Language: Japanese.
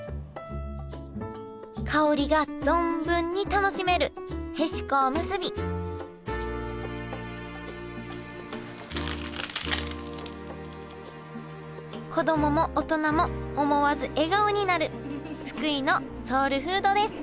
香りが存分に楽しめるへしこおむすび子供も大人も思わず笑顔になる福井のソウルフードです